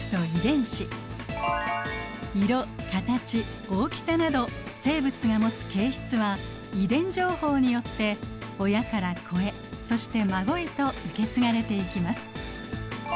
色形大きさなど生物が持つ形質は遺伝情報によって親から子へそして孫へと受け継がれていきます。